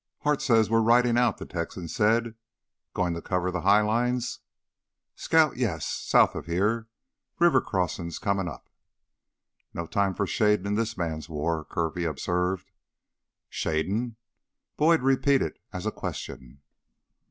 "Hart says we're ridin' out," the Texan said. "Goin' to cover the high lines?" "Scout, yes. South of here. River crossin's comin' up." "No time for shadin' in this man's war," Kirby observed. "Shadin'?" Boyd repeated as a question.